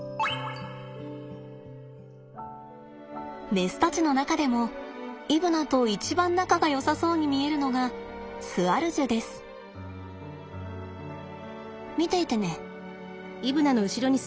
メスたちの中でもイブナと一番仲がよさそうに見えるのが見ていてね。